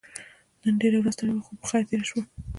نن ډيره ستړې ورځ وه خو په خير تيره شوه.